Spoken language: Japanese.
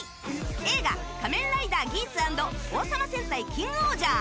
映画「仮面ライダーギーツ」＆「王様戦隊キングオージャー」。